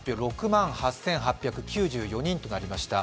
６万８８９４人となりました。